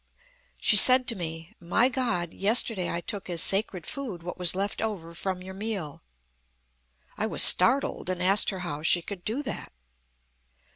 She said to me: "My God, yesterday I took as sacred food what was left over from your meal." I was startled, and asked her how she could do that.